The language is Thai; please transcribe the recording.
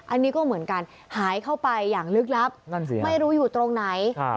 อันนี้ก็เหมือนกันหายเข้าไปอย่างลึกลับไม่รู้อยู่ตรงไหน